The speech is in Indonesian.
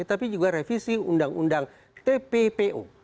tapi juga revisi undang undang tppu